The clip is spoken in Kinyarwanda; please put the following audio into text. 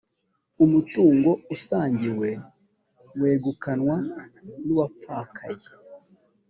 umutungo usangiwe wegukanwa n ‘uwapfakaye